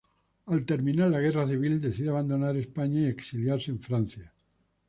Al terminar la Guerra Civil, decide abandonar España y exiliarse en Francia.